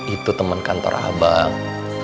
itu temen kantor abang